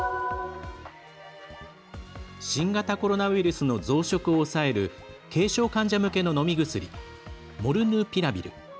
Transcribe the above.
新型コロナウイルスの増殖を抑える軽症患者向けの飲み薬モルヌピラビル。